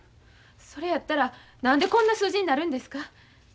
それやったら何でこんな数字になるんですか？